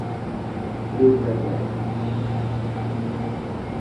Deus é dez.